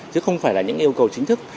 chứ không phải là những yêu cầu chính thức